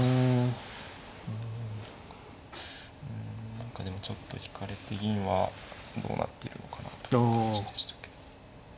何かでもちょっと引かれて銀はどうなっているのかなという感じでしたけど。